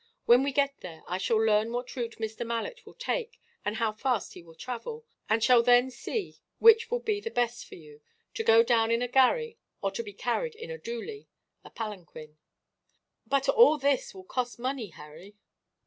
When we get there, I shall learn what route Mr. Malet will take, and how fast he will travel; and shall then see which will be the best for you to go down in a gharry, or to be carried in a dhoolie [a palanquin]." "But all this will cost money, Harry."